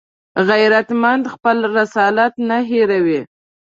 غیرتمند خپل رسالت نه هېروي